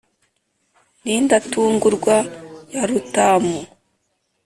N'Indatungurwa ya Rutamu